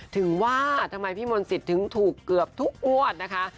ถึงว่าทำไมพี่มนต์สิทธิ์ถึงถูกเกือบทุกงวดนะคะ